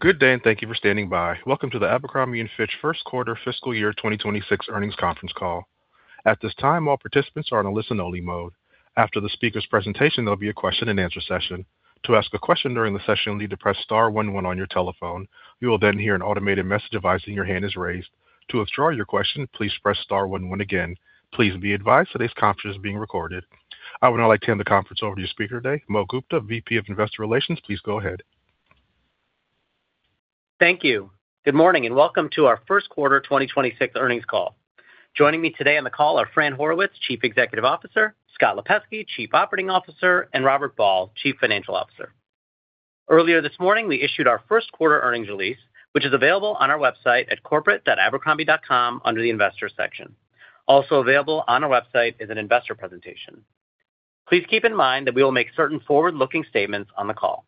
Good day, and thank you for standing by. Welcome to the Abercrombie & Fitch first quarter fiscal year 2026 earnings conference call. At this time, all participants are in a listen only mode. After the speaker's presentation, there will be a question and answer session. To ask a question during the session, you will need to press star one one on your telephone. You will then hear an automated message advising your hand is raised. To withdraw your question, please press star one one again. Please be advised today's conference is being recorded. I would now like to hand the conference over to your speaker today, Mohit Gupta, VP of Investor Relations. Please go ahead. Thank you. Good morning and welcome to our first quarter 2026 earnings call. Joining me today on the call are Fran Horowitz, Chief Executive Officer, Scott Lipesky, Chief Operating Officer, and Robert Ball, Chief Financial Officer. Earlier this morning, we issued our first quarter earnings release, which is available on our website at corporate.abercrombie.com under the investor section. Also available on our website is an investor presentation. Please keep in mind that we will make certain forward-looking statements on the call.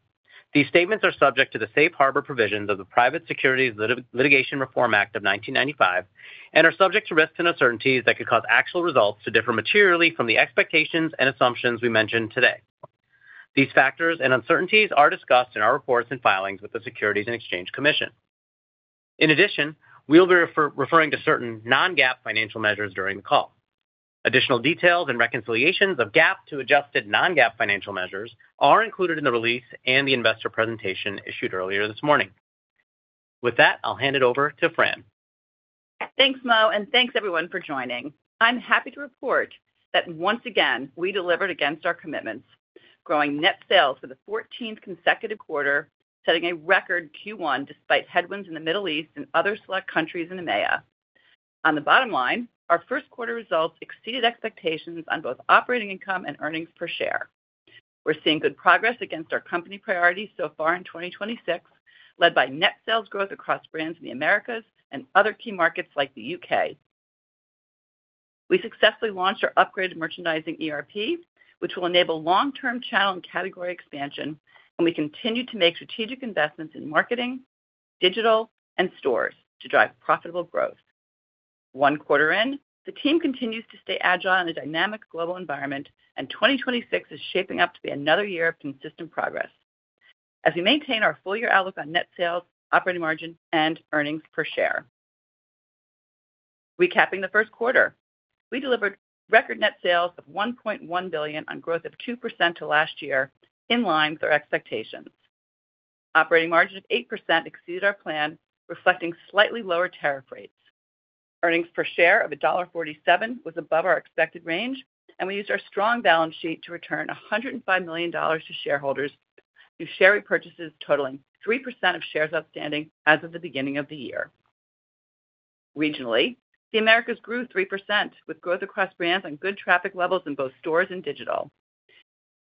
These statements are subject to the safe harbor provisions of the Private Securities Litigation Reform Act of 1995 and are subject to risks and uncertainties that could cause actual results to differ materially from the expectations and assumptions we mention today. These factors and uncertainties are discussed in our reports and filings with the Securities and Exchange Commission. In addition, we will be referring to certain non-GAAP financial measures during the call. Additional details and reconciliations of GAAP to adjusted non-GAAP financial measures are included in the release and the investor presentation issued earlier this morning. With that, I'll hand it over to Fran. Thanks, Mohit. Thanks everyone for joining. I'm happy to report that once again, we delivered against our commitments, growing net sales for the 14th consecutive quarter, setting a record Q1 despite headwinds in the Middle East and other select countries in EMEA. On the bottom line, our first quarter results exceeded expectations on both operating income and earnings per share. We're seeing good progress against our company priorities so far in 2026, led by net sales growth across brands in the Americas and other key markets like the U.K. We successfully launched our upgraded merchandising ERP, which will enable long-term channel and category expansion, and we continue to make strategic investments in marketing, digital, and stores to drive profitable growth. One quarter in, the team continues to stay agile in a dynamic global environment. 2026 is shaping up to be another year of consistent progress as we maintain our full-year outlook on net sales, operating margin, and earnings per share. Recapping the first quarter, we delivered record net sales of $1.1 billion on growth of 2% to last year, in line with our expectations. Operating margin of 8% exceeded our plan, reflecting slightly lower tariff rates. Earnings per share of $1.47 was above our expected range. We used our strong balance sheet to return $105 million to shareholders through share repurchases totaling 3% of shares outstanding as of the beginning of the year. Regionally, the Americas grew 3% with growth across brands and good traffic levels in both stores and digital.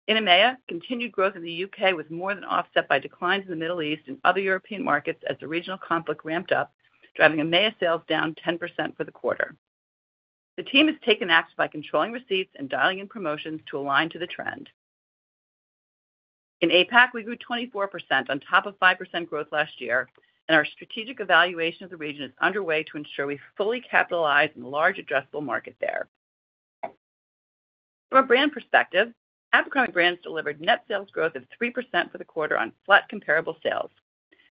In EMEA, continued growth in the U.K. was more than offset by declines in the Middle East and other European markets as the regional conflict ramped up, driving EMEA sales down 10% for the quarter. The team has taken acts by controlling receipts and dialing in promotions to align to the trend. In APAC, we grew 24% on top of 5% growth last year, and our strategic evaluation of the region is underway to ensure we fully capitalize on the large addressable market there. From a brand perspective, Abercrombie brands delivered net sales growth of 3% for the quarter on flat comparable sales.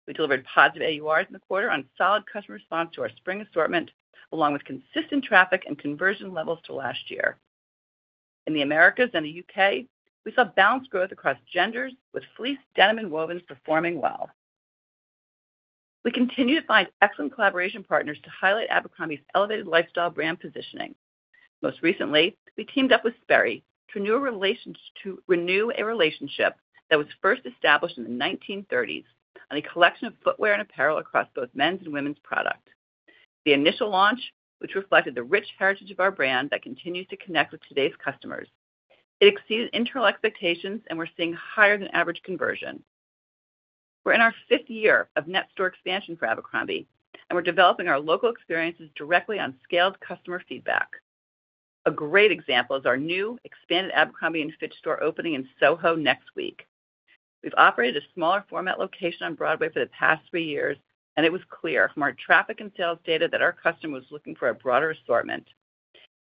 We delivered positive AURs in the quarter on solid customer response to our spring assortment, along with consistent traffic and conversion levels to last year. In the Americas and the U.K., we saw balanced growth across genders with fleece, denim, and wovens performing well. We continue to find excellent collaboration partners to highlight Abercrombie's elevated lifestyle brand positioning. Most recently, we teamed up with Sperry to renew a relationship that was first established in the 1930s on a collection of footwear and apparel across both men's and women's product. The initial launch, which reflected the rich heritage of our brand that continues to connect with today's customers. It exceeded internal expectations, and we're seeing higher than average conversion. We're in our fifth year of net store expansion for Abercrombie, and we're developing our local experiences directly on scaled customer feedback. A great example is our new expanded Abercrombie & Fitch store opening in SoHo next week. We've operated a smaller format location on Broadway for the past three years, and it was clear from our traffic and sales data that our customer was looking for a broader assortment.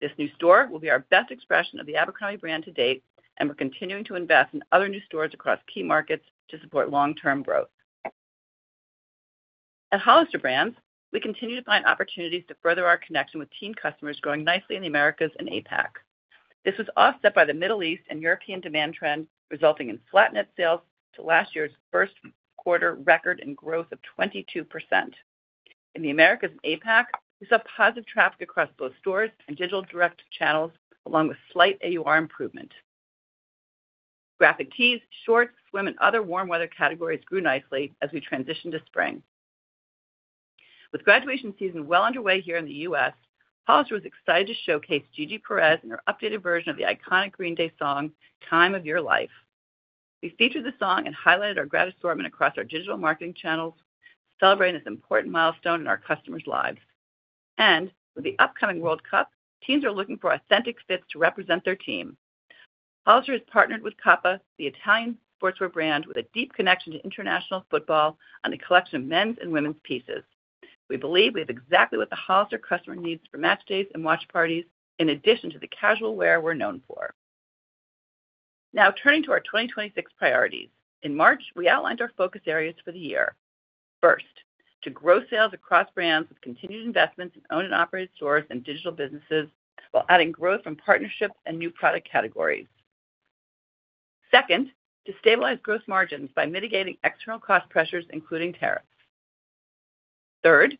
This new store will be our best expression of the Abercrombie brand to date, and we're continuing to invest in other new stores across key markets to support long-term growth. At Hollister brands, we continue to find opportunities to further our connection with teen customers growing nicely in the Americas and APAC. This was offset by the Middle East and European demand trend, resulting in flat net sales to last year's first quarter record and growth of 22%. In the Americas and APAC, we saw positive traffic across both stores and digital direct channels, along with slight AUR improvement. Graphic tees, shorts, swim, and other warm weather categories grew nicely as we transition to spring. With graduation season well underway here in the U.S., Hollister was excited to showcase Gigi Perez and her updated version of the iconic Green Day song, "Time of Your Life." We featured the song and highlighted our grad assortment across our digital marketing channels, celebrating this important milestone in our customers' lives. With the upcoming World Cup, teams are looking for authentic fits to represent their team. Hollister has partnered with Kappa, the Italian sportswear brand, with a deep connection to international football on a collection of men's and women's pieces. We believe we have exactly what the Hollister customer needs for match days and watch parties, in addition to the casual wear we're known for. Now turning to our 2026 priorities. In March, we outlined our focus areas for the year. First, to grow sales across brands with continued investments in owned and operated stores and digital businesses while adding growth from partnerships and new product categories. Second, to stabilize growth margins by mitigating external cost pressures, including tariffs. Third,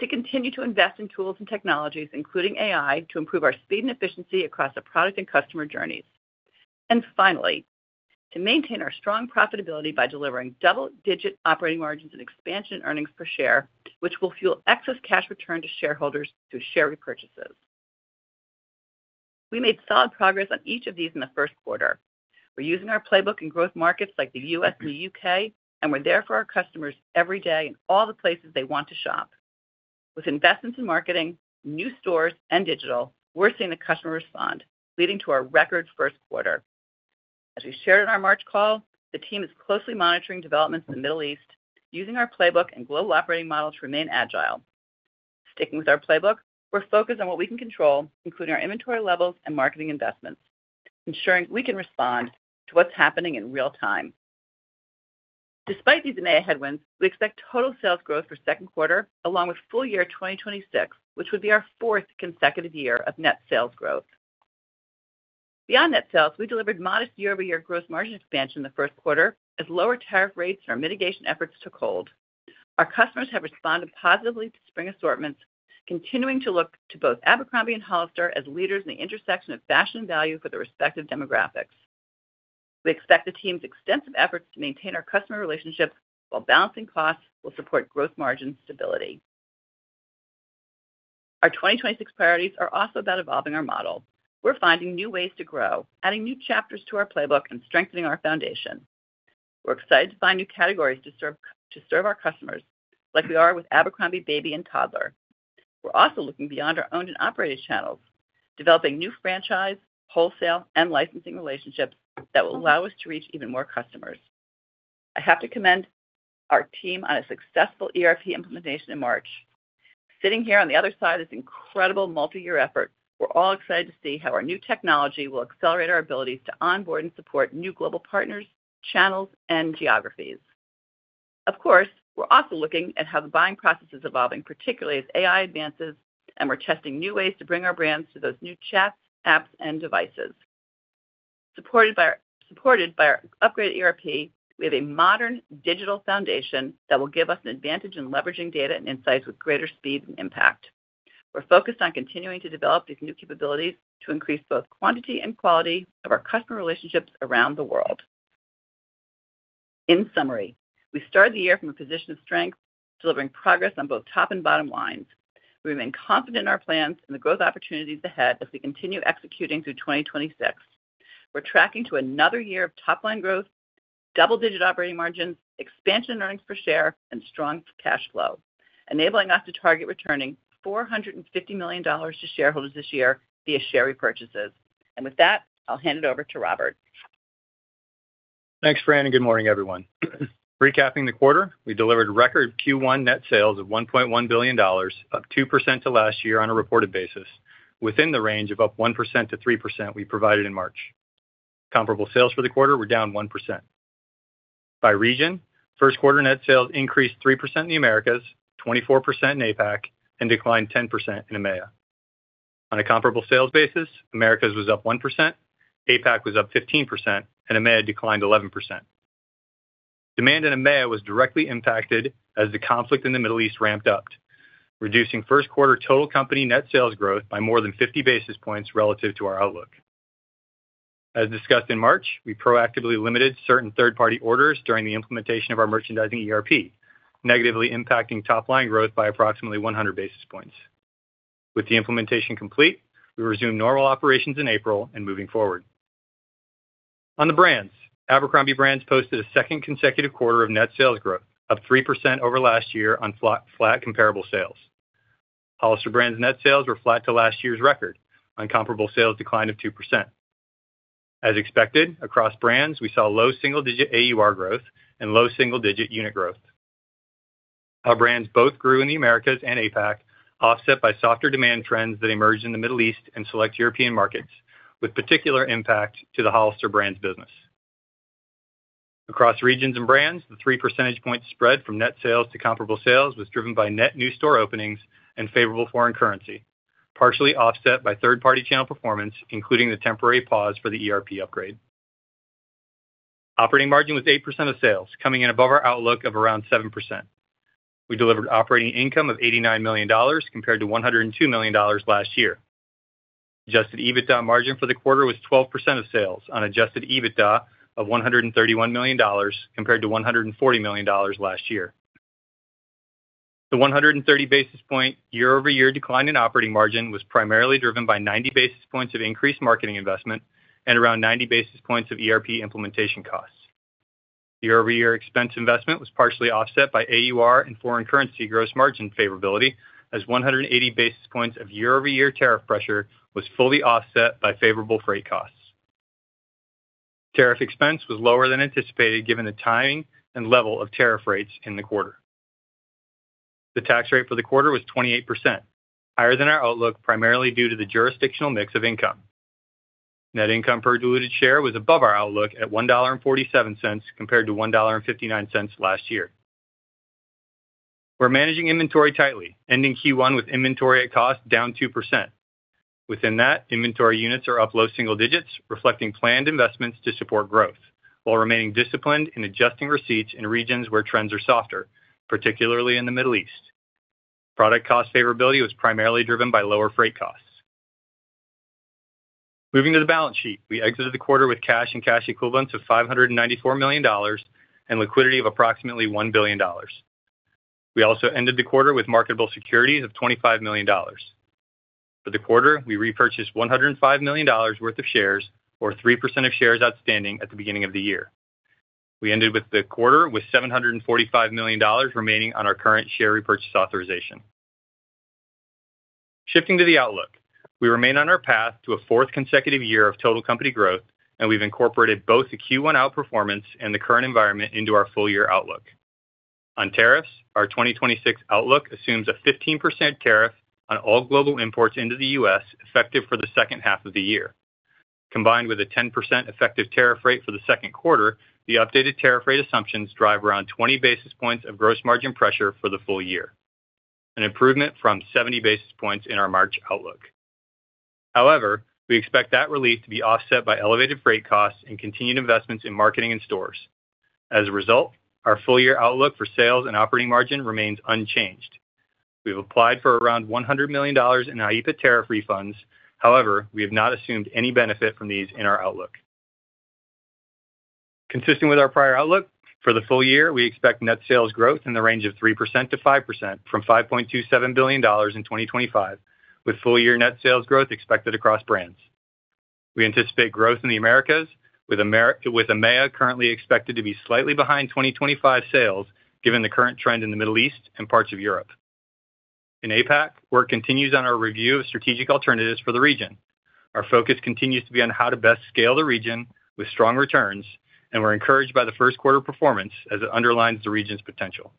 to continue to invest in tools and technologies, including AI, to improve our speed and efficiency across the product and customer journeys. Finally, to maintain our strong profitability by delivering double-digit operating margins and expansion earnings per share, which will fuel excess cash return to shareholders through share repurchases. We made solid progress on each of these in the first quarter. We're using our playbook in growth markets like the U.S. and the U.K., and we're there for our customers every day in all the places they want to shop. With investments in marketing, new stores, and digital, we're seeing the customer respond, leading to our record first quarter. As we shared on our March call, the team is closely monitoring developments in the Middle East using our playbook and global operating model to remain agile. Sticking with our playbook, we're focused on what we can control, including our inventory levels and marketing investments, ensuring we can respond to what's happening in real time. Despite these EMEA headwinds, we expect total sales growth for second quarter along with full year 2026, which would be our fourth consecutive year of net sales growth. Beyond net sales, we delivered modest year-over-year gross margin expansion in the first quarter as lower tariff rates and our mitigation efforts took hold. Our customers have responded positively to spring assortments, continuing to look to both Abercrombie and Hollister as leaders in the intersection of fashion and value for their respective demographics. We expect the team's extensive efforts to maintain our customer relationships while balancing costs will support gross margin stability. Our 2026 priorities are also about evolving our model. We're finding new ways to grow, adding new chapters to our playbook and strengthening our foundation. We're excited to find new categories to serve our customers, like we are with Abercrombie baby and toddler. We're also looking beyond our owned and operated channels, developing new franchise, wholesale, and licensing relationships that will allow us to reach even more customers. I have to commend our team on a successful ERP implementation in March. Sitting here on the other side of this incredible multi-year effort, we're all excited to see how our new technology will accelerate our abilities to onboard and support new global partners, channels, and geographies. Of course, we're also looking at how the buying process is evolving, particularly as AI advances, and we're testing new ways to bring our brands to those new chats, apps, and devices. Supported by our upgraded ERP, we have a modern digital foundation that will give us an advantage in leveraging data and insights with greater speed and impact. We're focused on continuing to develop these new capabilities to increase both quantity and quality of our customer relationships around the world. In summary, we started the year from a position of strength, delivering progress on both top and bottom lines. We remain confident in our plans and the growth opportunities ahead as we continue executing through 2026. We're tracking to another year of top-line growth, double-digit operating margins, expansion earnings per share, and strong cash flow, enabling us to target returning $450 million to shareholders this year via share repurchases. With that, I'll hand it over to Robert. Thanks, Fran. Good morning, everyone. Recapping the quarter, we delivered record Q1 net sales of $1.1 billion, up 2% to last year on a reported basis, within the range of up 1%-3% we provided in March. Comparable sales for the quarter were down 1%. By region, first quarter net sales increased 3% in the Americas, 24% in APAC, and declined 10% in EMEA. On a comparable sales basis, Americas was up 1%, APAC was up 15%, and EMEA declined 11%. Demand in EMEA was directly impacted as the conflict in the Middle East ramped up, reducing first quarter total company net sales growth by more than 50 basis points relative to our outlook. As discussed in March, we proactively limited certain third-party orders during the implementation of our merchandising ERP, negatively impacting top-line growth by approximately 100 basis points. With the implementation complete, we resumed normal operations in April and moving forward. On the brands, Abercrombie brands posted a second consecutive quarter of net sales growth, up 3% over last year on flat comparable sales. Hollister brands net sales were flat to last year's record on comparable sales decline of 2%. As expected, across brands, we saw low single-digit AUR growth and low single-digit unit growth. Our brands both grew in the Americas and APAC, offset by softer demand trends that emerged in the Middle East and select European markets, with particular impact to the Hollister brands business. Across regions and brands, the three percentage point spread from net sales to comparable sales was driven by net new store openings and favorable foreign currency, partially offset by third-party channel performance, including the temporary pause for the ERP upgrade. Operating margin was 8% of sales, coming in above our outlook of around 7%. We delivered operating income of $89 million compared to $102 million last year. Adjusted EBITDA margin for the quarter was 12% of sales on adjusted EBITDA of $131 million, compared to $140 million last year. The 130 basis point year-over-year decline in operating margin was primarily driven by 90 basis points of increased marketing investment and around 90 basis points of ERP implementation costs. Year-over-year expense investment was partially offset by AUR and foreign currency gross margin favorability, as 180 basis points of year-over-year tariff pressure was fully offset by favorable freight costs. Tariff expense was lower than anticipated given the timing and level of tariff rates in the quarter. The tax rate for the quarter was 28%, higher than our outlook, primarily due to the jurisdictional mix of income. Net income per diluted share was above our outlook at $1.47 compared to $1.59 last year. We're managing inventory tightly, ending Q1 with inventory at cost down 2%. Within that, inventory units are up low single digits, reflecting planned investments to support growth, while remaining disciplined in adjusting receipts in regions where trends are softer, particularly in the Middle East. Product cost favorability was primarily driven by lower freight costs. Moving to the balance sheet, we exited the quarter with cash and cash equivalents of $594 million and liquidity of approximately $1 billion. We also ended the quarter with marketable securities of $25 million. For the quarter, we repurchased $105 million worth of shares, or 3% of shares outstanding at the beginning of the year. We ended with the quarter with $745 million remaining on our current share repurchase authorization. Shifting to the outlook, we remain on our path to a fourth consecutive year of total company growth, we've incorporated both the Q1 outperformance and the current environment into our full-year outlook. On tariffs, our 2026 outlook assumes a 15% tariff on all global imports into the U.S., effective for the second half of the year. Combined with a 10% effective tariff rate for the second quarter, the updated tariff rate assumptions drive around 20 basis points of gross margin pressure for the full year, an improvement from 70 basis points in our March outlook. We expect that release to be offset by elevated freight costs and continued investments in marketing and stores. As a result, our full-year outlook for sales and operating margin remains unchanged. We've applied for around $100 million in IEEPA tariff refunds. We have not assumed any benefit from these in our outlook. Consistent with our prior outlook, for the full year, we expect net sales growth in the range of 3%-5% from $5.27 billion in 2025, with full-year net sales growth expected across brands. We anticipate growth in the Americas, with EMEA currently expected to be slightly behind 2025 sales, given the current trend in the Middle East and parts of Europe. In APAC, work continues on our review of strategic alternatives for the region. Our focus continues to be on how to best scale the region with strong returns, and we're encouraged by the first quarter performance as it underlines the region's potential.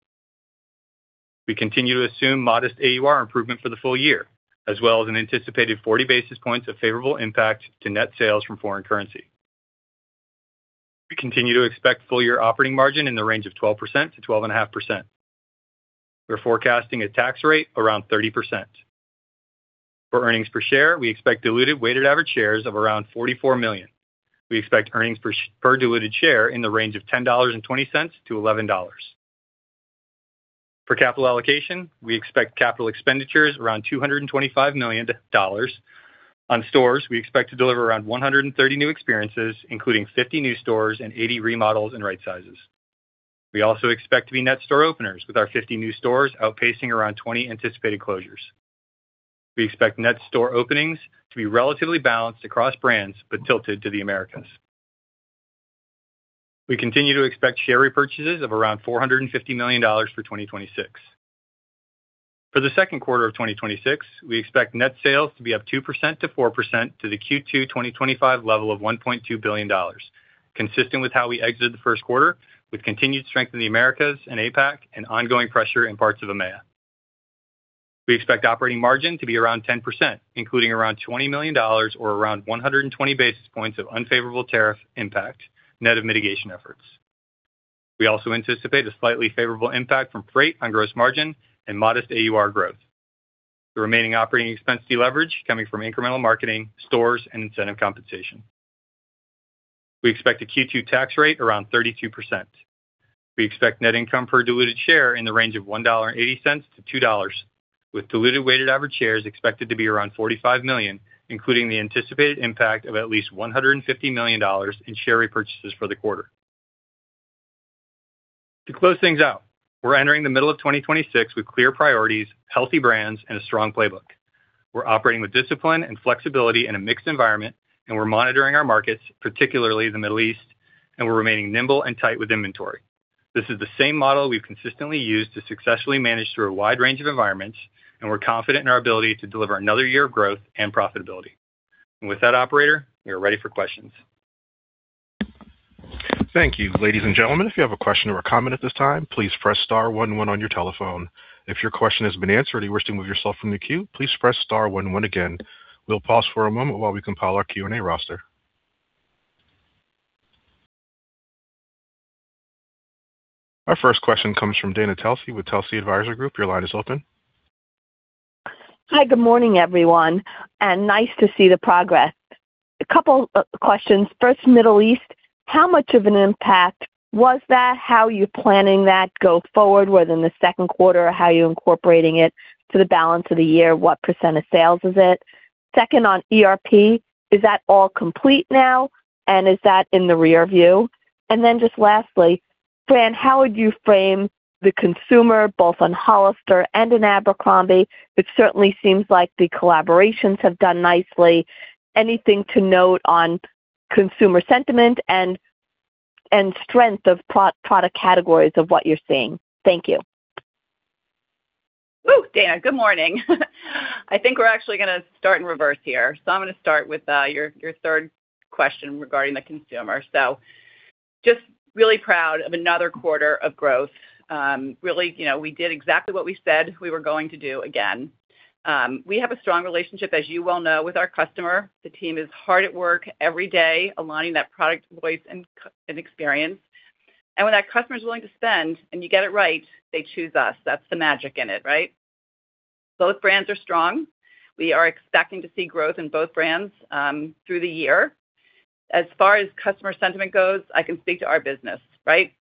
We continue to assume modest AUR improvement for the full year, as well as an anticipated 40 basis points of favorable impact to net sales from foreign currency. We continue to expect full-year operating margin in the range of 12%-12.5%. We're forecasting a tax rate around 30%. For earnings per share, we expect diluted weighted average shares of around 44 million. We expect earnings per diluted share in the range of $10.20-$11. For capital allocation, we expect capital expenditures around $225 million. On stores, we expect to deliver around 130 new experiences, including 50 new stores and 80 remodels and right-sizes. We also expect to be net store openers, with our 50 new stores outpacing around 20 anticipated closures. We expect net store openings to be relatively balanced across brands, but tilted to the Americas. We continue to expect share repurchases of around $450 million for 2026. For the second quarter of 2026, we expect net sales to be up 2% to 4% to the Q2 2025 level of $1.2 billion, consistent with how we exited the first quarter, with continued strength in the Americas and APAC and ongoing pressure in parts of EMEA. We expect operating margin to be around 10%, including around $20 million or around 120 basis points of unfavorable tariff impact, net of mitigation efforts. We also anticipate a slightly favorable impact from freight on gross margin and modest AUR growth. The remaining operating expense deleverage coming from incremental marketing, stores, and incentive compensation. We expect a Q2 tax rate around 32%. We expect net income per diluted share in the range of $1.80-$2, with diluted weighted average shares expected to be around 45 million, including the anticipated impact of at least $150 million in share repurchases for the quarter. To close things out, we're entering the middle of 2026 with clear priorities, healthy brands, and a strong playbook. We're operating with discipline and flexibility in a mixed environment, and we're monitoring our markets, particularly the Middle East, and we're remaining nimble and tight with inventory. This is the same model we've consistently used to successfully manage through a wide range of environments, and we're confident in our ability to deliver another year of growth and profitability. With that operator, we are ready for questions. Thank you. Ladies and gentlemen, if you have a question or a comment at this time, please press star one one on your telephone. If your question has been answered, or you wish to remove yourself from the queue, please press star one one again. We'll pause for a moment while we compile our Q&A roster. Our first question comes from Dana Telsey with Telsey Advisory Group. Your line is open. Hi, good morning, everyone. Nice to see the progress. A couple of questions. First, Middle East. How much of an impact was that? How are you planning that go forward, whether in the second quarter, how are you incorporating it to the balance of the year? What percent of sales is it? Second, on ERP, is that all complete now? Is that in the rear view? Then just lastly, Fran, how would you frame the consumer both on Hollister and in Abercrombie? It certainly seems like the collaborations have done nicely. Anything to note on consumer sentiment and strength of product categories of what you're seeing? Thank you. Whoa, Dana. Good morning. I think we're actually going to start in reverse here. I'm going to start with your third question regarding the consumer. Just really proud of another quarter of growth. Really, we did exactly what we said we were going to do again. We have a strong relationship, as you well know, with our customer. The team is hard at work every day aligning that product voice and experience. When that customer's willing to spend and you get it right, they choose us. That's the magic in it, right? Both brands are strong. We are expecting to see growth in both brands through the year. As far as customer sentiment goes, I can speak to our business, right?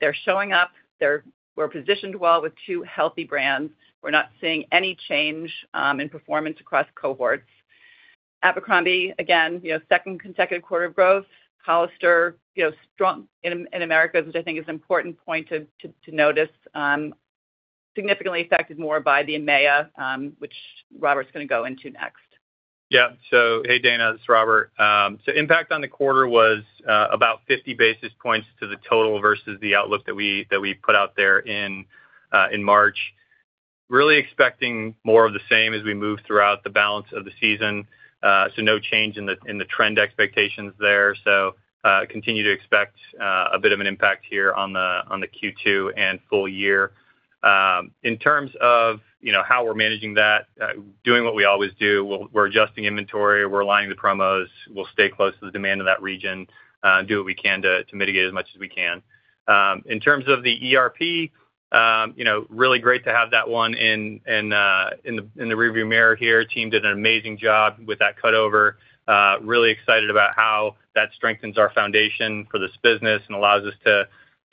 They're showing up. We're positioned well with two healthy brands. We're not seeing any change in performance across cohorts. Abercrombie, again, second consecutive quarter of growth. Hollister, strong in Americas, which I think is an important point to notice. Significantly affected more by the EMEA, which Robert's going to go into next. Yeah. Hey, Dana, it's Robert. Impact on the quarter was about 50 basis points to the total versus the outlook that we put out there in March. Really expecting more of the same as we move throughout the balance of the season. No change in the trend expectations there. Continue to expect a bit of an impact here on the Q2 and full year. In terms of how we're managing that, doing what we always do. We're adjusting inventory, we're aligning the promos. We'll stay close to the demand of that region, do what we can to mitigate as much as we can. In terms of the ERP, really great to have that one in the rearview mirror here. Team did an amazing job with that cutover. Really excited about how that strengthens our foundation for this business and allows us to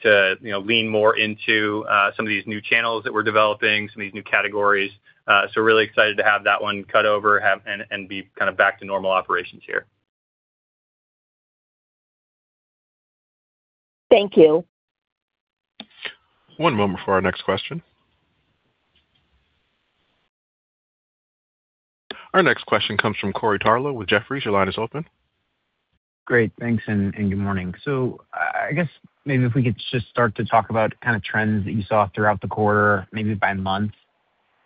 lean more into some of these new channels that we're developing, some of these new categories. Really excited to have that one cut over and be back to normal operations here. Thank you. One moment for our next question. Our next question comes from Corey Tarlowe with Jefferies. Your line is open. Great. Thanks, good morning. I guess maybe if we could just start to talk about trends that you saw throughout the quarter, maybe by month,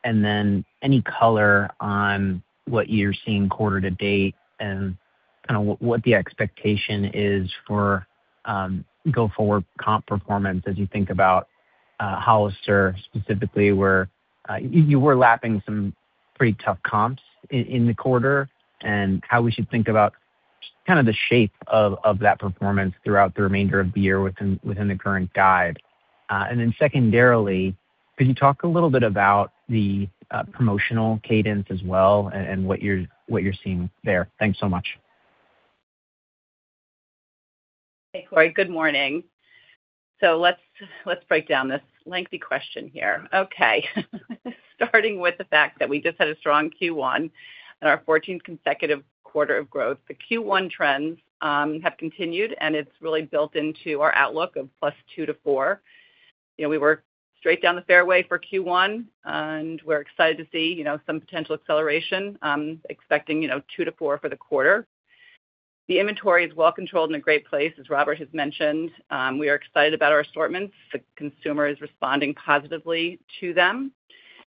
and then any color on what you're seeing quarter to date and what the expectation is for go forward comp performance as you think about Hollister specifically, where you were lapping some pretty tough comps in the quarter and how we should think about the shape of that performance throughout the remainder of the year within the current guide. Secondarily, could you talk a little bit about the promotional cadence as well and what you're seeing there? Thanks so much. Hey, Corey. Good morning. Let's break down this lengthy question here. Okay. Starting with the fact that we just had a strong Q1 and our 14th consecutive quarter of growth. The Q1 trends have continued, and it's really built into our outlook of +2% to +4%. We were straight down the fairway for Q1, and we're excited to see some potential acceleration, expecting +2% to +4% for the quarter. The inventory is well controlled and in a great place, as Robert has mentioned. We are excited about our assortments. The consumer is responding positively to them.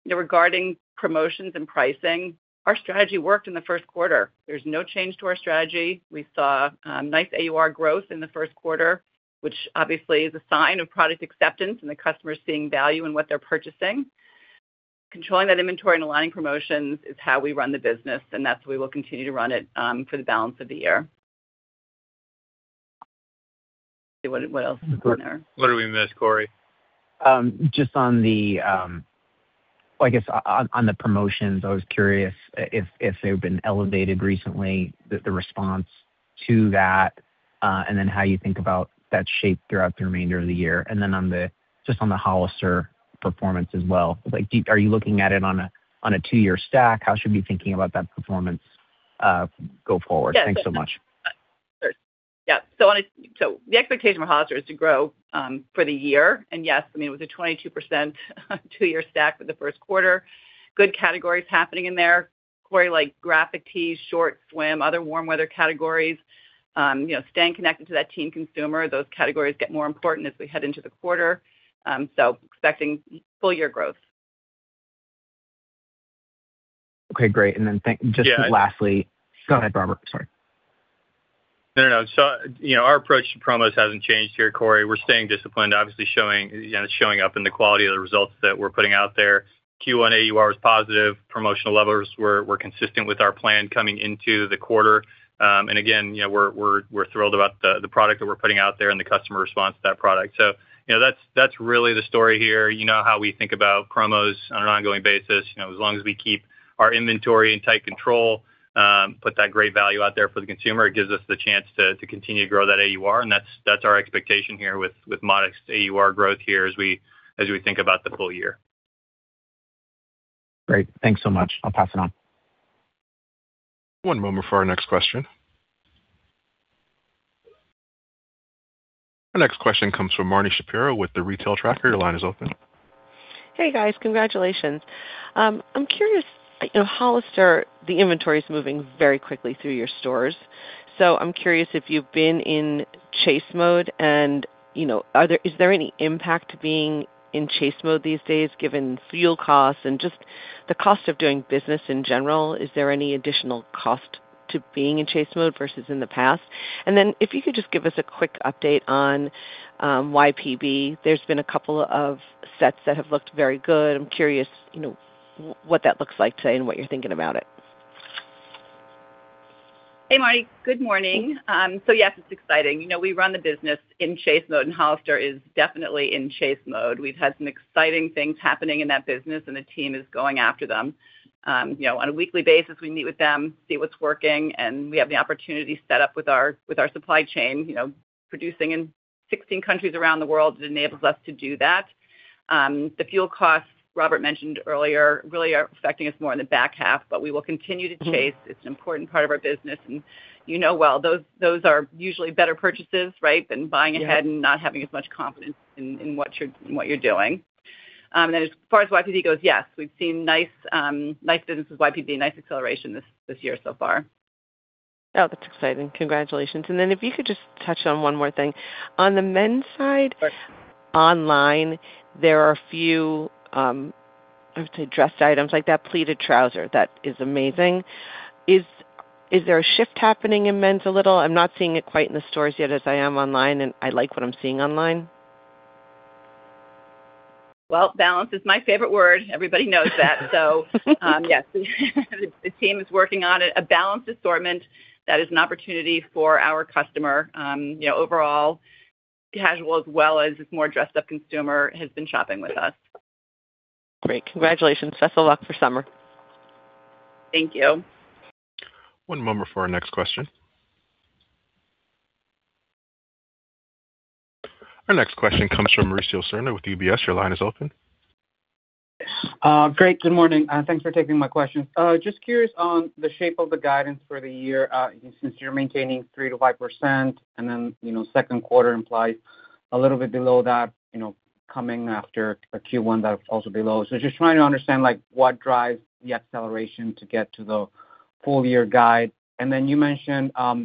Regarding promotions and pricing, our strategy worked in the first quarter. There's no change to our strategy. We saw nice AUR growth in the first quarter, which obviously is a sign of product acceptance and the customer is seeing value in what they're purchasing. Controlling that inventory and aligning promotions is how we run the business. That's we will continue to run it for the balance of the year. What else is in there? What did we miss, Corey? Just on the promotions, I was curious if they've been elevated recently, the response to that, and then how you think about that shape throughout the remainder of the year, and then just on the Hollister performance as well. Are you looking at it on a two-year stack? How should we be thinking about that performance go forward? Yeah. Thanks so much. Sure. Yeah. The expectation for Hollister is to grow for the year. Yes, it was a 22% two-year stack for the first quarter. Good categories happening in there, Corey, like graphic tees, shorts, swim, other warm weather categories, staying connected to that teen consumer. Those categories get more important as we head into the quarter. Expecting full year growth. Okay, great. Then just lastly. Go ahead, Robert, sorry. No, no. Our approach to promos hasn't changed here, Corey. We're staying disciplined, obviously showing up in the quality of the results that we're putting out there. Q1 AUR was positive. Promotional levels were consistent with our plan coming into the quarter. Again, we're thrilled about the product that we're putting out there and the customer response to that product. That's really the story here. You know how we think about promos on an ongoing basis. As long as we keep our inventory in tight control, put that great value out there for the consumer, it gives us the chance to continue to grow that AUR, and that's our expectation here with modest AUR growth here as we think about the full year. Great. Thanks so much. I'll pass it on. One moment for our next question. Our next question comes from Marni Shapiro with The Retail Tracker. Your line is open. Hey, guys. Congratulations. I'm curious. Hollister, the inventory is moving very quickly through your stores. I'm curious if you've been in chase mode and is there any impact being in chase mode these days, given fuel costs and just the cost of doing business in general? Is there any additional cost to being in chase mode versus in the past? If you could just give us a quick update on YPB. There's been a couple of sets that have looked very good. I'm curious, what that looks like today and what you're thinking about it. Hey, Marni. Good morning. Yes, it's exciting. We run the business in chase mode, and Hollister is definitely in chase mode. We've had some exciting things happening in that business, and the team is going after them. On a weekly basis, we meet with them, see what's working, and we have the opportunity set up with our supply chain, producing in 16 countries around the world, it enables us to do that. The fuel costs Robert mentioned earlier really are affecting us more in the back half, but we will continue to chase. It's an important part of our business, and you know well, those are usually better purchases, right? Than buying ahead and not having as much confidence in what you're doing. As far as YPB goes, yes. We've seen nice business with YPB, nice acceleration this year so far. Oh, that's exciting. Congratulations. If you could just touch on one more thing. On the men's side. Sure online, there are a few, I would say dressed items, like that pleated trouser. That is amazing. Is there a shift happening in men's a little? I'm not seeing it quite in the stores yet as I am online, and I like what I'm seeing online. Well, balance is my favorite word. Everybody knows that. Yes. The team is working on it. A balanced assortment that is an opportunity for our customer. Overall casual as well as this more dressed up consumer has been shopping with us. Great. Congratulations. Best of luck for summer. Thank you. One moment for our next question. Our next question comes from Mauricio Serna with UBS. Your line is open. Great. Good morning. Thanks for taking my question. Just curious on the shape of the guidance for the year, since you're maintaining 3%-5%, then second quarter implies a little bit below that, coming after a Q1 that was also below. Just trying to understand what drives the acceleration to get to the full year guide. Then you mentioned, for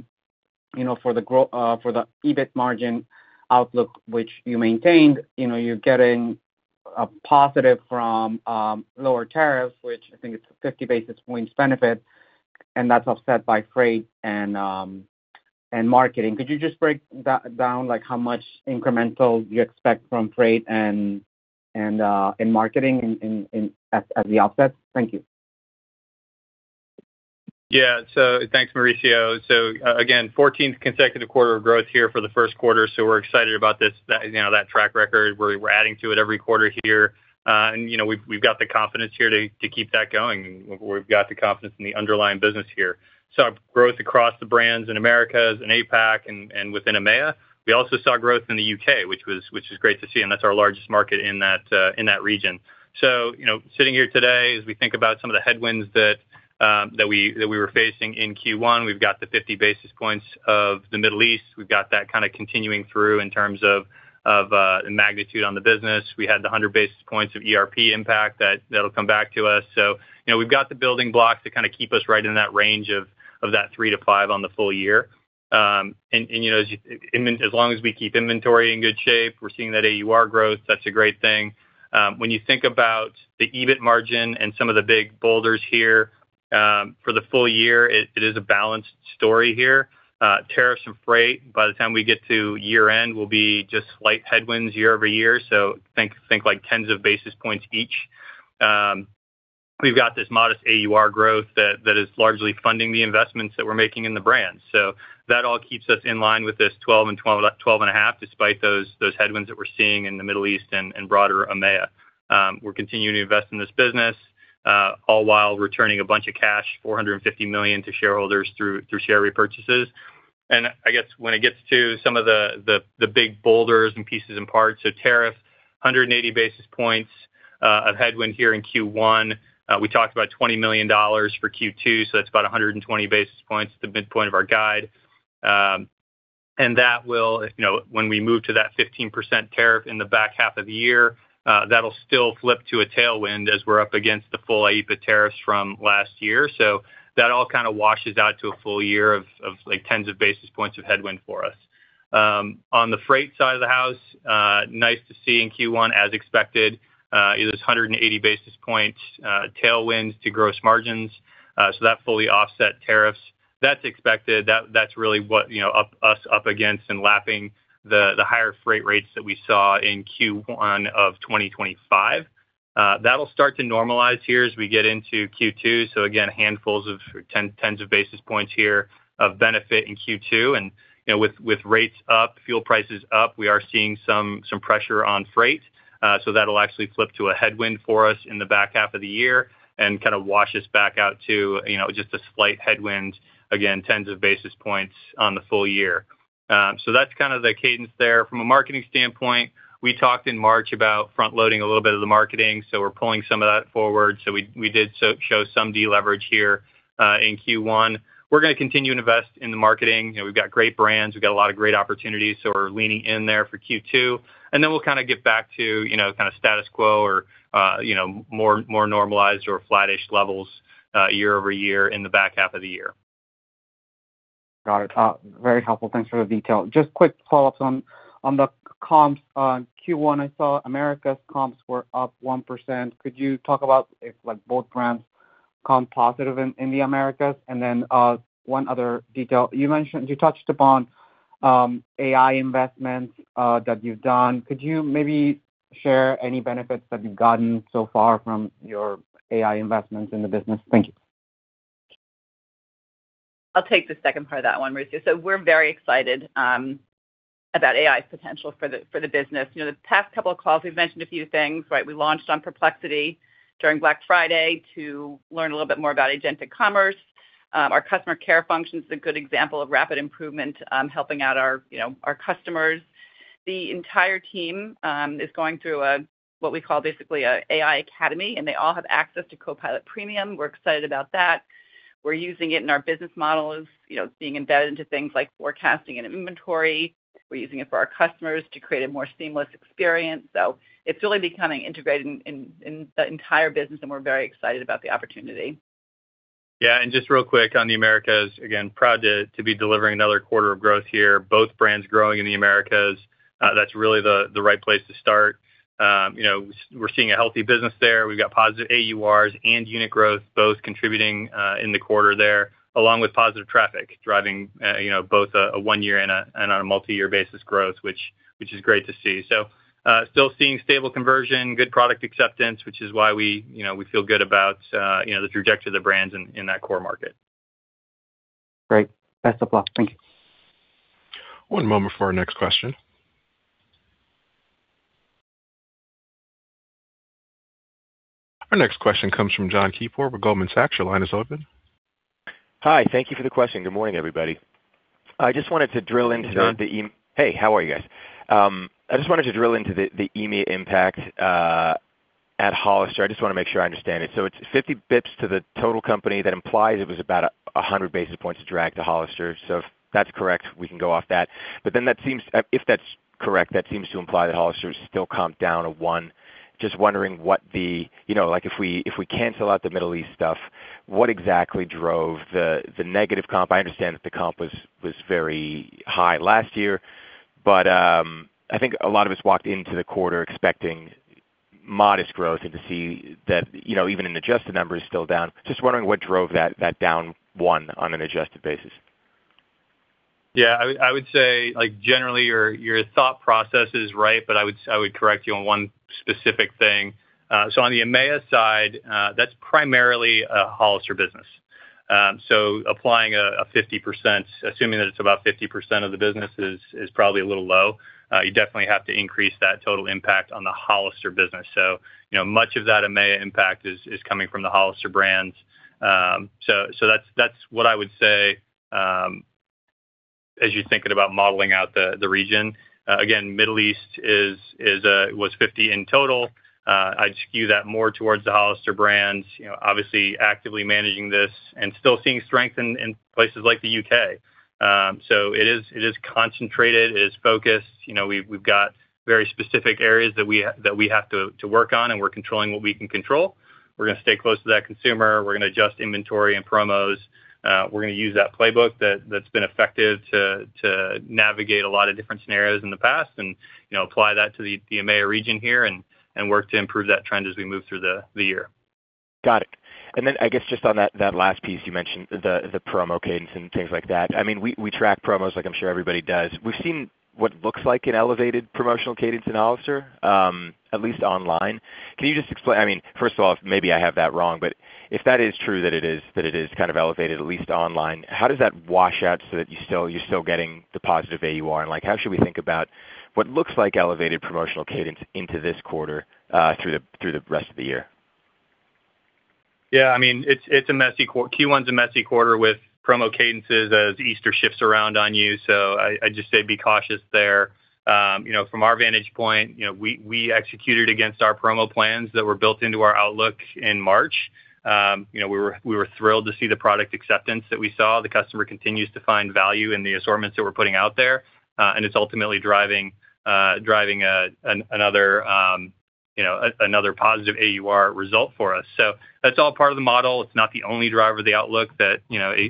the EBIT margin outlook, which you maintained, you're getting a positive from lower tariffs, which I think it's a 50 basis points benefit, and that's offset by freight and marketing. Could you just break that down, like how much incremental you expect from freight and in marketing at the offset? Thank you. Thanks, Mauricio. Again, 14th consecutive quarter of growth here for the first quarter, we're excited about this. That track record, we're adding to it every quarter here. We've got the confidence here to keep that going, and we've got the confidence in the underlying business here. Saw growth across the brands in Americas and APAC and within EMEA. We also saw growth in the U.K., which is great to see, and that's our largest market in that region. Sitting here today, as we think about some of the headwinds that we were facing in Q1, we've got the 50 basis points of the Middle East. We've got that continuing through in terms of the magnitude on the business. We had the 100 basis points of ERP impact that'll come back to us. We've got the building blocks to keep us right in that range of that 3-5 on the full year. As long as we keep inventory in good shape, we're seeing that AUR growth, that's a great thing. When you think about the EBIT margin and some of the big boulders here, for the full year, it is a balanced story here. Tariffs and freight, by the time we get to year-end, will be just slight headwinds year-over-year, so think like tens of basis points each. We've got this modest AUR growth that is largely funding the investments that we're making in the brand. That all keeps us in line with this 12 and 12.5, despite those headwinds that we're seeing in the Middle East and broader EMEA. We're continuing to invest in this business, all while returning a bunch of cash, $450 million to shareholders through share repurchases. I guess when it gets to some of the big boulders and pieces and parts, tariff, 180 basis points of headwind here in Q1. We talked about $20 million for Q2, that's about 120 basis points at the midpoint of our guide. That will, when we move to that 15% tariff in the back half of the year, that'll still flip to a tailwind as we're up against the full IEEPA tariffs from last year. That all washes out to a full year of like tens of basis points of headwind for us. On the freight side of the house, nice to see in Q1, as expected, it was 180 basis points tailwind to gross margins, that fully offset tariffs. That's expected. That's really what us up against and lapping the higher freight rates that we saw in Q1 of 2025. That'll start to normalize here as we get into Q2. Again, handfuls of tens of basis points here of benefit in Q2. With rates up, fuel prices up, we are seeing some pressure on freight. That'll actually flip to a headwind for us in the back half of the year and wash us back out to just a slight headwind, again, tens of basis points on the full year. That's the cadence there. From a marketing standpoint, we talked in March about front-loading a little bit of the marketing, we're pulling some of that forward. We did show some deleverage here in Q1. We're gonna continue to invest in the marketing. We've got great brands, we've got a lot of great opportunities, so we're leaning in there for Q2. We'll get back to status quo or more normalized or flattish levels year-over-year in the back half of the year. Got it. Very helpful. Thanks for the detail. Just quick follow-ups on the comps. On Q1, I saw Americas comps were up 1%. Could you talk about if both brands comp positive in the Americas? One other detail. You touched upon AI investments that you've done. Could you maybe share any benefits that you've gotten so far from your AI investments in the business? Thank you. I'll take the second part of that one, Mauricio. We're very excited about AI's potential for the business. The past couple of calls, we've mentioned a few things, right? We launched on Perplexity during Black Friday to learn a little bit more about agentic commerce. Our customer care function is a good example of rapid improvement, helping out our customers. The entire team is going through what we call basically a AI academy, and they all have access to Copilot Premium. We're excited about that. We're using it in our business model as being embedded into things like forecasting and inventory. We're using it for our customers to create a more seamless experience. It's really becoming integrated in the entire business, and we're very excited about the opportunity. Yeah. Just real quick on the Americas, again, proud to be delivering another quarter of growth here, both brands growing in the Americas. That's really the right place to start. We're seeing a healthy business there. We've got positive AURs and unit growth both contributing in the quarter there, along with positive traffic driving both a one-year and on a multi-year basis growth, which is great to see. Still seeing stable conversion, good product acceptance, which is why we feel good about the trajectory of the brands in that core market. Great. Best of luck. Thank you. One moment for our next question. Our next question comes from Brooke Roach with Goldman Sachs. Your line is open. Hi. Thank you for the question. Good morning, everybody. I just wanted to drill into the-. Hey, Brooke Roach. Hey, how are you guys? I just wanted to drill into the EMEA impact at Hollister. I just want to make sure I understand it. It's 50 basis points to the total company. That implies it was about 100 basis points drag to Hollister. If that's correct, we can go off that. If that's correct, that seems to imply that Hollister is still comp down a one. Just wondering, if we cancel out the Middle East stuff, what exactly drove the negative comp? I understand that the comp was very high last year, but I think a lot of us walked into the quarter expecting modest growth, and to see that even in adjusted numbers, still down. Just wondering what drove that down one on an adjusted basis. Yeah. I would say, generally, your thought process is right, but I would correct you on one specific thing. On the EMEA side, that's primarily a Hollister business. Applying a 50%, assuming that it's about 50% of the business is probably a little low. You definitely have to increase that total impact on the Hollister business. Much of that EMEA impact is coming from the Hollister brands. That's what I would say as you're thinking about modeling out the region. Middle East was 50 in total. I'd skew that more towards the Hollister brands, obviously actively managing this and still seeing strength in places like the U.K. It is concentrated. It is focused. We've got very specific areas that we have to work on, and we're controlling what we can control. We're going to stay close to that consumer. We're going to adjust inventory and promos. We're going to use that playbook that's been effective to navigate a lot of different scenarios in the past and apply that to the EMEA region here and work to improve that trend as we move through the year. Got it. Then I guess just on that last piece you mentioned, the promo cadence and things like that. We track promos like I'm sure everybody does. We've seen what looks like an elevated promotional cadence in Hollister, at least online. First of all, maybe I have that wrong, but if that is true that it is kind of elevated, at least online, how does that wash out so that you're still getting the positive AUR? How should we think about what looks like elevated promotional cadence into this quarter through the rest of the year? Yeah. Q1's a messy quarter with promo cadences as Easter shifts around on you. I'd just say be cautious there. From our vantage point, we executed against our promo plans that were built into our outlook in March. We were thrilled to see the product acceptance that we saw. The customer continues to find value in the assortments that we're putting out there. It's ultimately driving another positive AUR result for us. That's all part of the model. It's not the only driver of the outlook that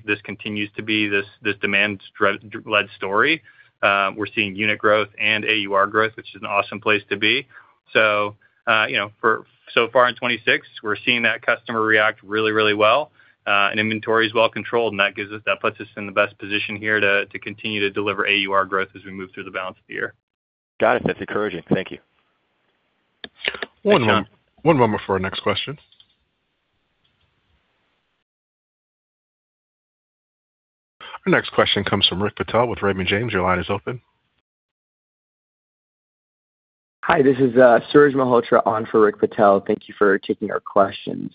this continues to be this demand-led story. We're seeing unit growth and AUR growth, which is an awesome place to be. Far in 2026, we're seeing that customer react really, really well. Inventory is well controlled, and that puts us in the best position here to continue to deliver AUR growth as we move through the balance of the year. Got it. That's encouraging. Thank you. Thanks, Brooke Roach. One moment before our next question. Our next question comes from Rick Patel with Raymond James. Your line is open. Hi, this is Suraj Malhotra on for Rick Patel. Thank you for taking our questions.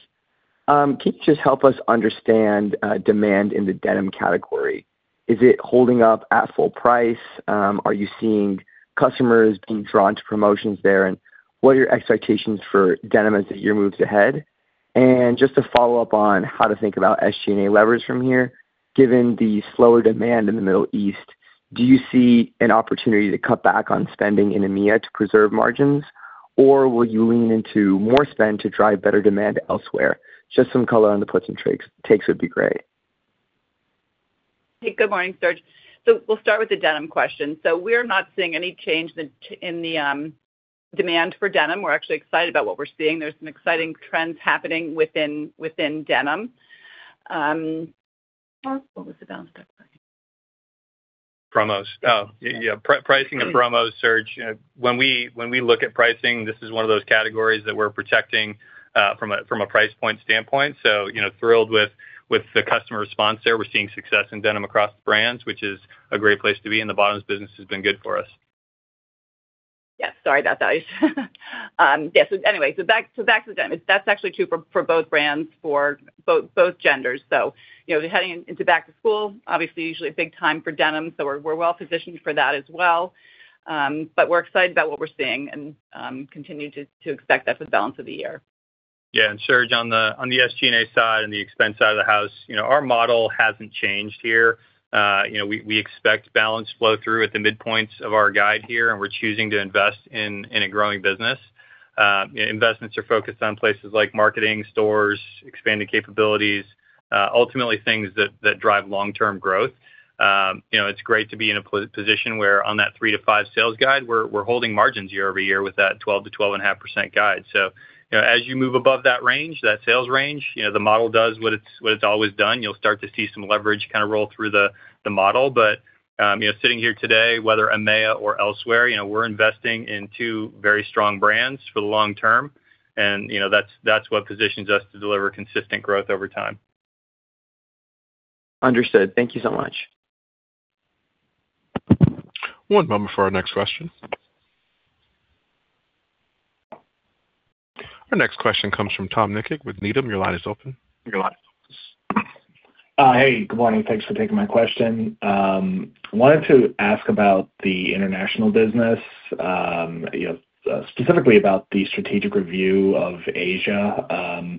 Can you just help us understand demand in the denim category? Is it holding up at full price? Are you seeing customers being drawn to promotions there? What your expectations for denim as the year moves ahead? Just to follow up on how to think about SG&A levers from here, given the slower demand in the Middle East, do you see an opportunity to cut back on spending in EMEA to preserve margins? Will you lean into more spend to drive better demand elsewhere? Just some color on the puts and takes would be great. Good morning, Suraj. We'll start with the denim question. We're not seeing any change in the demand for denim. We're actually excited about what we're seeing. There's some exciting trends happening within denim. What was the balance? Promos. Oh, yeah. Pricing and promos, Suraj. When we look at pricing, this is one of those categories that we're protecting from a price point standpoint. Thrilled with the customer response there. We're seeing success in denim across the brands, which is a great place to be, and the bottoms business has been good for us. Yeah. Sorry about that. Yeah. Anyway, back to denim. That's actually true for both brands, for both genders. Heading into back to school, obviously usually a big time for denim, so we're well-positioned for that as well. We're excited about what we're seeing and continue to expect that for the balance of the year. Yeah. Suraj, on the SG&A side and the expense side of the house, our model hasn't changed here. We expect balance flow-through at the midpoints of our guide here. We're choosing to invest in a growing business. Investments are focused on places like marketing, stores, expanding capabilities, ultimately things that drive long-term growth. It's great to be in a position where on that 3% to 5% sales guide, we're holding margins year-over-year with that 12% to 12.5% guide. As you move above that range, that sales range, the model does what it's always done. You'll start to see some leverage roll through the model. Sitting here today, whether EMEA or elsewhere, we're investing in two very strong brands for the long term, and that's what positions us to deliver consistent growth over time. Understood. Thank you so much. One moment for our next question. Our next question comes from Tom Nikic with Needham. Your line is open. Hey, good morning. Thanks for taking my question. Wanted to ask about the international business, specifically about the strategic review of Asia.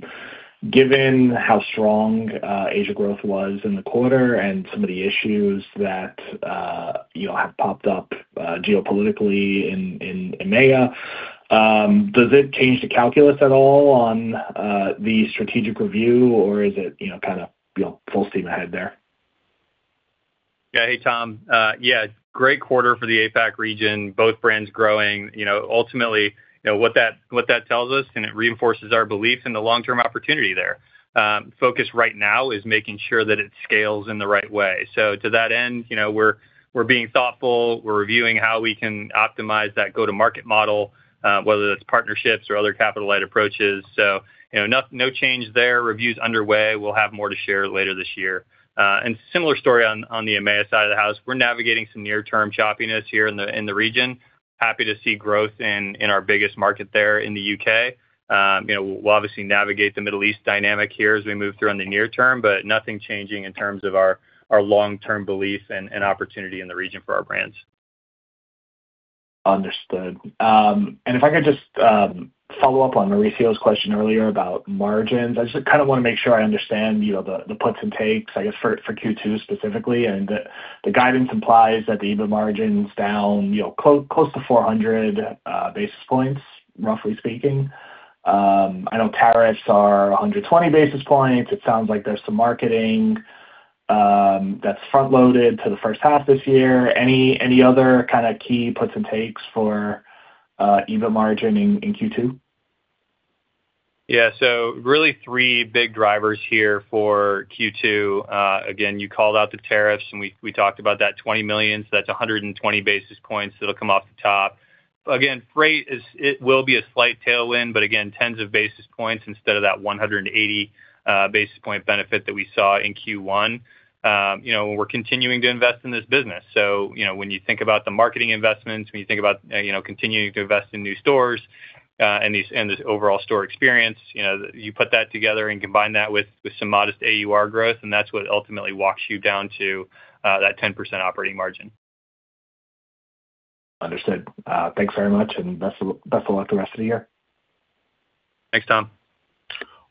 Given how strong Asia growth was in the quarter and some of the issues that have popped up geopolitically in EMEA, does it change the calculus at all on the strategic review, or is it full steam ahead there? Yeah. Hey, Tom. Yeah, great quarter for the APAC region, both brands growing. Ultimately, what that tells us, and it reinforces our belief in the long-term opportunity there. Focus right now is making sure that it scales in the right way. To that end, we're being thoughtful. We're reviewing how we can optimize that go-to-market model, whether that's partnerships or other capital-light approaches. No change there. Review's underway. We'll have more to share later this year. Similar story on the EMEA side of the house. We're navigating some near-term choppiness here in the region. Happy to see growth in our biggest market there in the U.K. We'll obviously navigate the Middle East dynamic here as we move through on the near term, but nothing changing in terms of our long-term belief and opportunity in the region for our brands. Understood. If I could just follow up on Mauricio's question earlier about margins. I just want to make sure I understand the puts and takes, I guess, for Q2 specifically. The guidance implies that the EBIT margin's down close to 400 basis points, roughly speaking. I know tariffs are 120 basis points. It sounds like there's some marketing that's front-loaded to the first half this year. Any other key puts and takes for EBIT margin in Q2? Yeah. Really three big drivers here for Q2. Again, you called out the tariffs, and we talked about that $20 million, so that's 120 basis points that'll come off the top. Again, freight, it will be a slight tailwind, but again, tens of basis points instead of that 180 basis point benefit that we saw in Q1. We're continuing to invest in this business. When you think about the marketing investments, when you think about continuing to invest in new stores, and this overall store experience, you put that together and combine that with some modest AUR growth, and that's what ultimately walks you down to that 10% operating margin. Understood. Thanks very much. Best of luck the rest of the year. Thanks, Tom.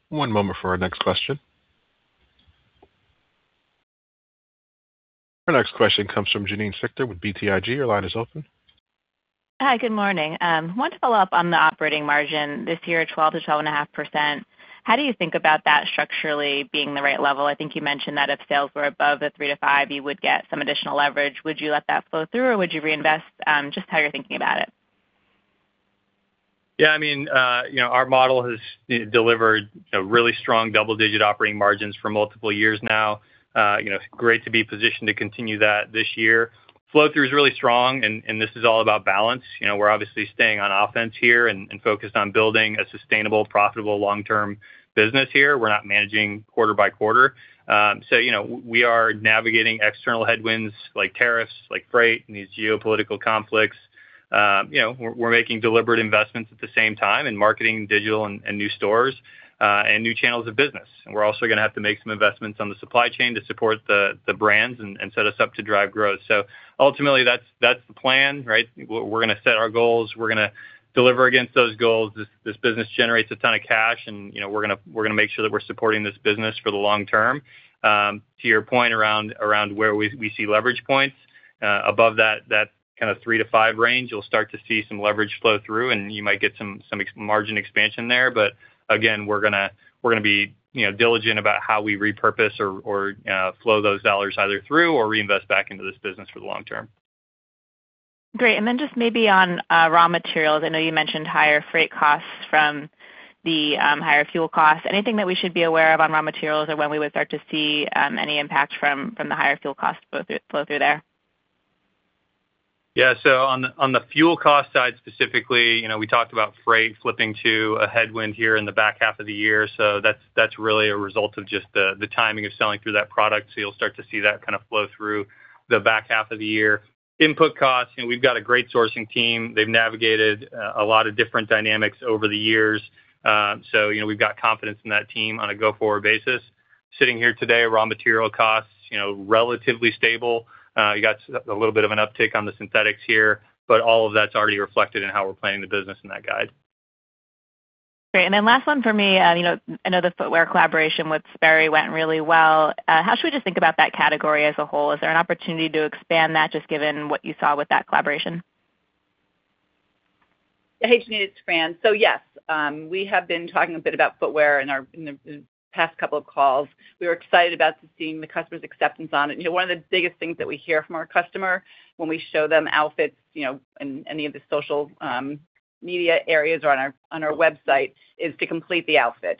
One moment for our next question. Our next question comes from Janine Stichter with BTIG. Your line is open. Hi, good morning. Wanted to follow up on the operating margin. This year, 12%-12.5%. How do you think about that structurally being the right level? I think you mentioned that if sales were above the 3%-5%, you would get some additional leverage. Would you let that flow through or would you reinvest? Just how you're thinking about it. Yeah. Our model has delivered really strong double-digit operating margins for multiple years now. Great to be positioned to continue that this year. Flow-through is really strong, and this is all about balance. We're obviously staying on offense here and focused on building a sustainable, profitable long-term business here. We're not managing quarter by quarter. We are navigating external headwinds like tariffs, like freight, and these geopolitical conflicts. We're making deliberate investments at the same time in marketing, digital, and new stores, and new channels of business. We're also going to have to make some investments on the supply chain to support the brands and set us up to drive growth. Ultimately, that's the plan, right? We're going to set our goals. We're going to deliver against those goals. This business generates a ton of cash, and we're going to make sure that we're supporting this business for the long term. To your point around where we see leverage points above that three to five range, you'll start to see some leverage flow through, and you might get some margin expansion there. Again, we're going to be diligent about how we repurpose or flow those dollars either through or reinvest back into this business for the long term. Great. Then just maybe on raw materials, I know you mentioned higher freight costs from the higher fuel costs. Anything that we should be aware of on raw materials or when we would start to see any impact from the higher fuel costs flow through there? Yeah. On the fuel cost side, specifically, we talked about freight flipping to a headwind here in the back half of the year. That's really a result of just the timing of selling through that product. You'll start to see that kind of flow through the back half of the year. Input costs, we've got a great sourcing team. They've navigated a lot of different dynamics over the years. We've got confidence in that team on a go-forward basis. Sitting here today, raw material costs, relatively stable. You got a little bit of an uptick on the synthetics here, but all of that's already reflected in how we're planning the business in that guide. Great. Last one for me. I know the footwear collaboration with Sperry went really well. How should we just think about that category as a whole? Is there an opportunity to expand that, just given what you saw with that collaboration? Hey, Janine, it's Fran. Yes, we have been talking a bit about footwear in the past couple of calls. We were excited about seeing the customer's acceptance on it. One of the biggest things that we hear from our customer when we show them outfits, in any of the social media areas or on our website, is to complete the outfit.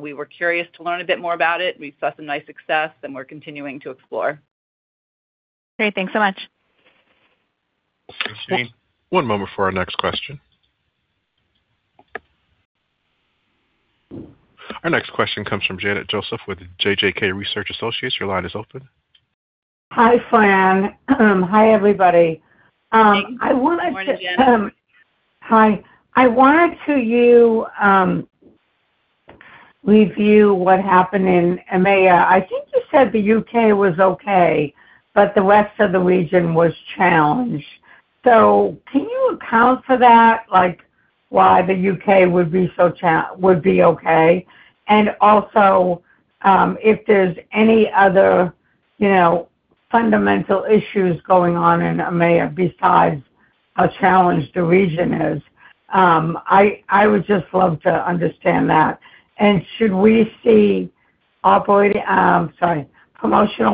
We were curious to learn a bit more about it. We saw some nice success and we're continuing to explore. Great. Thanks so much. Yes. One moment for our next question. Our next question comes from Janet Kloppenburg with JJK Research Associates. Your line is open. Hi, Fran. Hi, everybody. Hey. Good morning, Janet. Hi. I wanted to review what happened in EMEA. I think you said the U.K. was okay, but the rest of the region was challenged. Can you account for that? Why the U.K. would be okay, and also, if there's any other fundamental issues going on in EMEA besides how challenged the region is? I would just love to understand that. Should we see promotional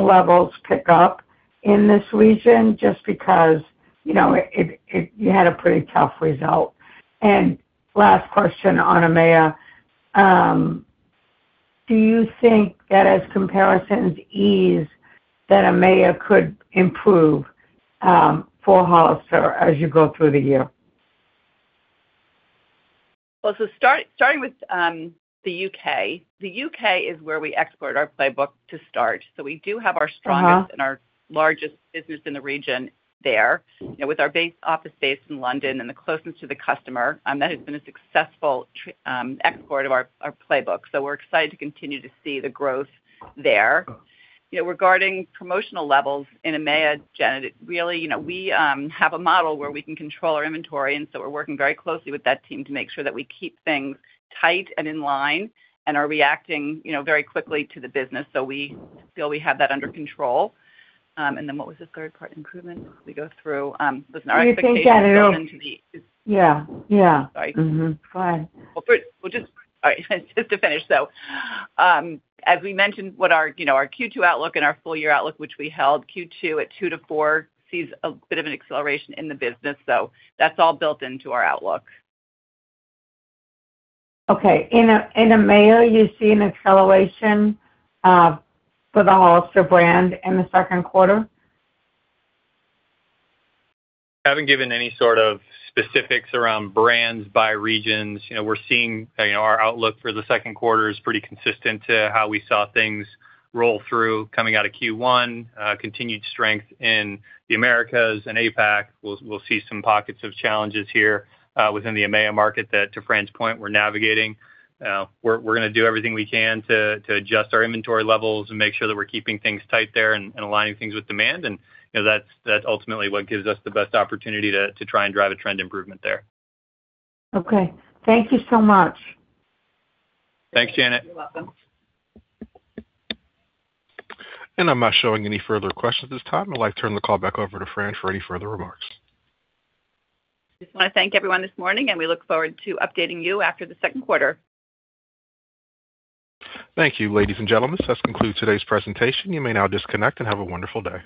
levels pick up in this region just because you had a pretty tough result? Last question on EMEA, do you think that as comparisons ease, that EMEA could improve for Hollister as you go through the year? Well, starting with the U.K. The U.K. is where we export our playbook to start. We do have our strongest. Our largest business in the region there. With our base office space in London and the closeness to the customer, that has been a successful export of our playbook. We're excited to continue to see the growth there. Regarding promotional levels in EMEA, Janet, really, we have a model where we can control our inventory, we're working very closely with that team to make sure that we keep things tight and in line and are reacting very quickly to the business. We feel we have that under control. What was the third part, improvement as we go through? It was in our expectations built into the. Yeah. Sorry. Go ahead. All right. Just to finish. As we mentioned, what our Q2 outlook and our full-year outlook, which we held Q2 at 2%-4%, sees a bit of an acceleration in the business. That's all built into our outlook. Okay. In EMEA, you see an acceleration for the Hollister brand in the second quarter? Haven't given any sort of specifics around brands by regions. We're seeing our outlook for the second quarter is pretty consistent to how we saw things roll through coming out of Q1. Continued strength in the Americas and APAC. We'll see some pockets of challenges here within the EMEA market that, to Fran's point, we're navigating. We're going to do everything we can to adjust our inventory levels and make sure that we're keeping things tight there and aligning things with demand. That's ultimately what gives us the best opportunity to try and drive a trend improvement there. Okay. Thank you so much. Thanks, Janet. You're welcome. I'm not showing any further questions at this time. I'd like to turn the call back over to Fran for any further remarks. Just want to thank everyone this morning, and we look forward to updating you after the second quarter. Thank you, ladies and gentlemen. This does conclude today's presentation. You may now disconnect, and have a wonderful day.